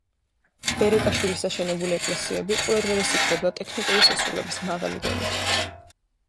ბერეკაშვილების აშენებული ეკლესიები ყურადღებას იპყრობს ტექნიკური შესრულების მაღალი დონით.